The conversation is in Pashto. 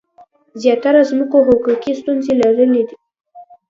زیاتره ځمکو حقوقي ستونزي لرلي.